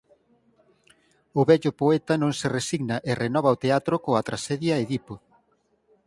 O vello poeta non se resigna e renova o teatro coa traxedia "Edipo".